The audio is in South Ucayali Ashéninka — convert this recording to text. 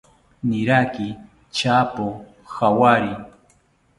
Niraki tyapo jawari